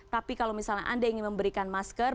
tapi kalau misalnya anda ingin memberikan masker